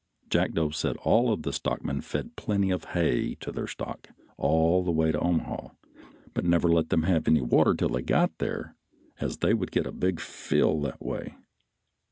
Jackdo said all the stockmen fed plenty of hay to their stock all the way to Omaha, but never let them have any water till they got there, as they would get a big fill that way.